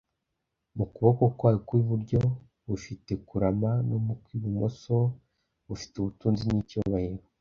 mu kuboko kwabwo kw’iburyo bufite kurama, no mu kw’ibumoso bufite ubutunzi n’icyubahiro